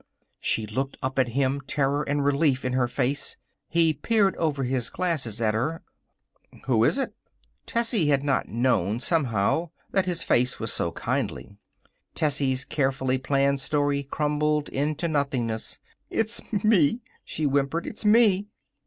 She looked up at him, terror and relief in her face. He peered over his glasses at her. "Who is it?" Tessie had not known, somehow, that his face was so kindly. Tessie's carefully planned story crumbled into nothingness. "It's me!" she whimpered. "It's me!"